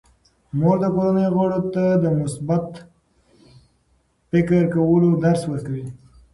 مور د کورنۍ غړو ته د مثبت فکر کولو درس ورکوي.